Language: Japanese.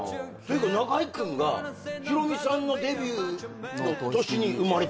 中居君がひろみさんのデビューの年に生まれてるんや。